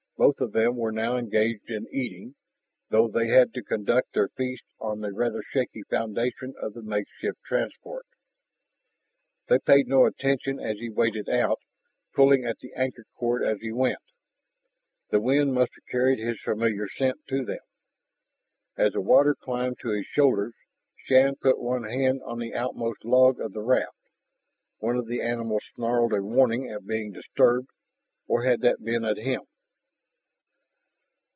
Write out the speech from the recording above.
Both of them were now engaged in eating, though they had to conduct their feast on the rather shaky foundation of the makeshift transport. They paid no attention as he waded out, pulling at the anchor cord as he went. The wind must have carried his familiar scent to them. As the water climbed to his shoulders Shann put one hand on the outmost log of the raft. One of the animals snarled a warning at being disturbed. Or had that been at him?